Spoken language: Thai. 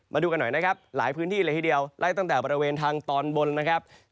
มาดูกันหน่อยนะครับหลายพื้นที่เลยทีเดียวไล่ตั้งแต่บริเวณทางตอนบนนะครับ